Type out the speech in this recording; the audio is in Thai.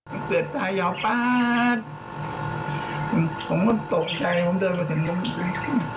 มันเกิดตายยอมป๊าดผมก็ตกใจผมเดินมาถึงตรงนี้